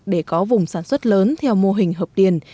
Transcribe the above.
để có vùng sản xuất lớn theo mô hình hợp điền